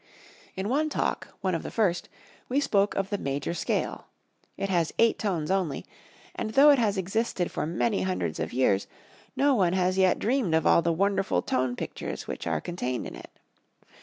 In one Talk, one of the first, we spoke of the major scale. It has eight tones only, and though it has existed for many hundreds of years, no one has yet dreamed of all the wonderful tone pictures which are contained in it.